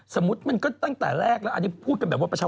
สมมุติมันก็ตั้งแต่แรกแล้วอันนี้พูดกันแบบว่า